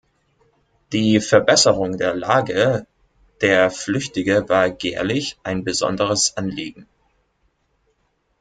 Die Verbesserung der Lage der Flüchtige war Gerlich ein besonderes Anliegen.